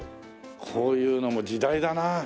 こういうのも時代だなあ。